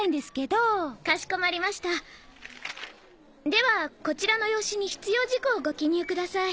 ではこちらの用紙に必要事項をご記入ください。